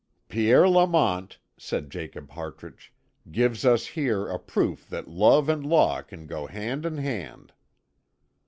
"Pierre Lamont," said Jacob Hartrich, "gives us here a proof that love and law can go hand in hand."